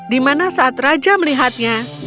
di mana saat raja melihatnya